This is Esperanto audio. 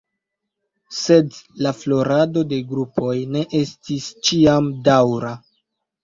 Sed la florado de grupoj ne estis ĉiam daŭra.